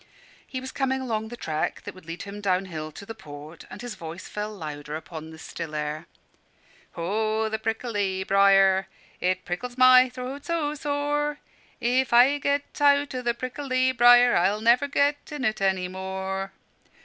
He was coming along the track that would lead him down hill to the port; and his voice fell louder on the still air "Ho! the prickly briar, It prickles my throat so sore If I get out o' the prickly briar, I'll never get in any more."